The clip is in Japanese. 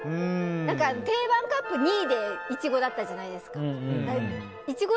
定番カップ２位でイチゴだったじゃないですか。